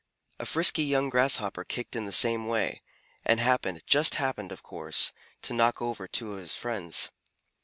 A frisky young Grasshopper kicked in the same way, and happened just happened, of course to knock over two of his friends.